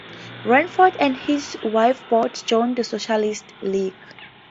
Radford and his wife both joined the Socialist League.